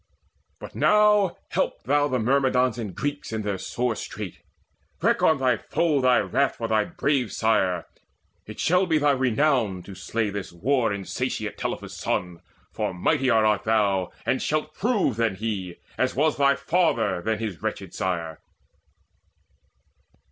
But now, help thou the Myrmidons and Greeks In their sore strait: wreak on the foe thy wrath For thy brave sire. It shall be thy renown To slay this war insatiate Telephus' son; For mightier art thou, and shalt prove, than he, As was thy father than his wretched sire."